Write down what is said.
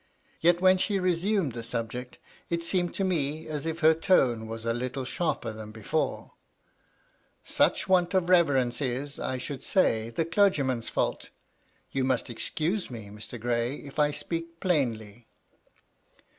Yet when she resumed 232 MY LADY LUDLOW. the subject, it seemed to me as if her tone was a Httle sharper than before. Such want of reverence is, I should say, the clergyman's fault You must excuse me, Mr. Gray, if I speak plainly."